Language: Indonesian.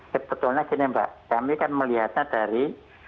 sebetulnya gini mbak kami kan melihatnya dari